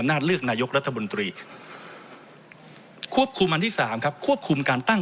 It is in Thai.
เลือกนายกรัฐมนตรีควบคุมอันที่สามครับควบคุมการตั้ง